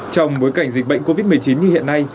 trong bối cảnh dịch bệnh covid một mươi chín như hiện nay